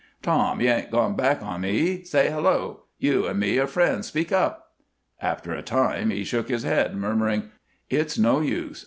"Tom, you ain't gone back on me? Say hello. You and me are friends. Speak up!" After a time he shook his head, murmuring: "It's no use.